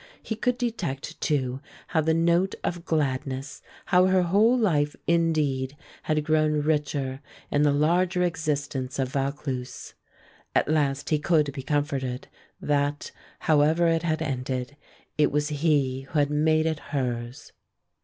He could detect, too, how the note of gladness, how her whole life, indeed, had grown richer in the larger existence of Vaucluse. At last he could be comforted that, however it had ended, it was he who had made it hers.